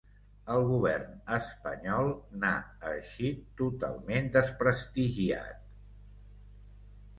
El govern espanyol n’ha eixit totalment desprestigiat.